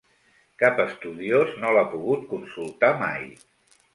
Cap estudiós no l'ha pogut consultar mai.